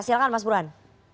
silakan mas burhan